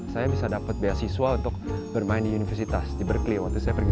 saya bisa dapat beasiswa untuk bermain di universitas di berkeley waktu saya pergi